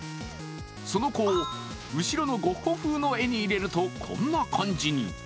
その子を、後ろのゴッホ風の絵に入れるとこんな感じに。